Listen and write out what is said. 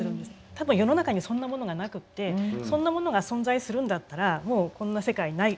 多分世の中にそんなものがなくってそんなものが存在するんだったらもうこんな世界ない。